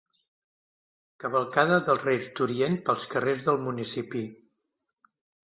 Cavalcada dels Reis d'Orient pels carrers del municipi.